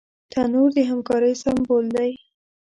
تنور د همکارۍ سمبول دی